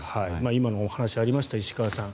今のお話、ありました石川さん。